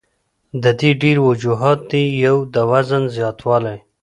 د دې ډېر وجوهات دي يو د وزن زياتوالے ،